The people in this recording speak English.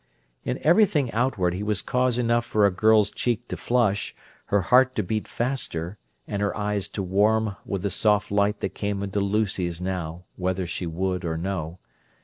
In everything outward he was cause enough for a girl's cheek to flush, her heart to beat faster, and her eyes to warm with the soft light that came into Lucy's now, whether she would or no.